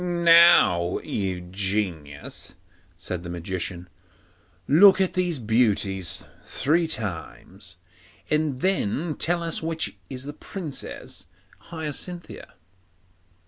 'Now, you genius,' said the Magician, 'look at these beauties three times, and then tell us which is the Princess Hyacinthia.